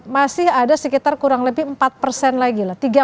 masih ada sekitar kurang lebih empat persen lagi lah